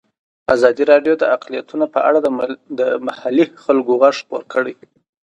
ازادي راډیو د اقلیتونه په اړه د محلي خلکو غږ خپور کړی.